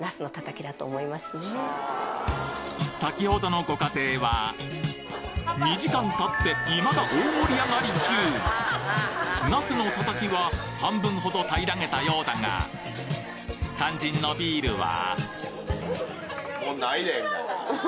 さきほどのご家庭は２時間たっていまだ大盛り上がり中なすのたたきは半分ほど平らげたようだが肝心のビールは？